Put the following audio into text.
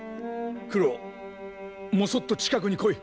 九郎もそっと近くに来い。